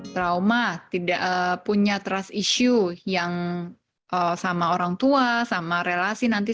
trauma tidak punya trust issue yang sama orang tua sama relasi nanti